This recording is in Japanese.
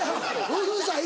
うるさい！